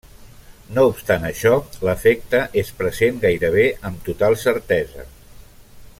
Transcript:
No obstant això, l'efecte és present gairebé amb total certesa.